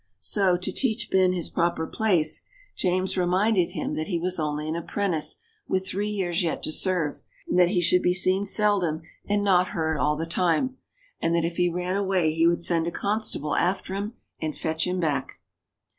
So, to teach Ben his proper place, James reminded him that he was only an apprentice, with three years yet to serve, and that he should be seen seldom and not heard all the time, and that if he ran away he would send a constable after him and fetch him back.